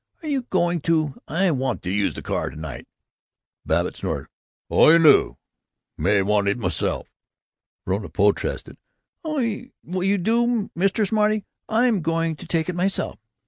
Are you going to I want to use the car to night." Babbitt snorted, "Oh, you do! May want it myself!" Verona protested, "Oh, you do, Mr. Smarty! I'm going to take it myself!"